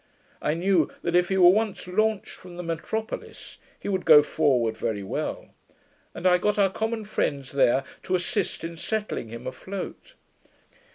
I knew that, if he were once launched from the metropolis, he would go forward very well; and I got our common friends there to assist in setting him afloat.